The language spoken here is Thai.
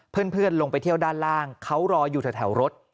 เพื่อนลงไปเที่ยวด้านล่างเขารออยู่แถวรถ